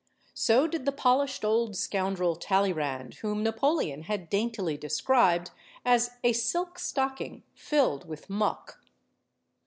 So did the polished old scoundrel, Talleyrand, whom Napoleon had daintily described as "a silk stocking filled with muck."